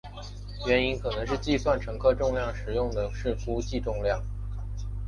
原因可能是计算乘客重量时用的是估计重量。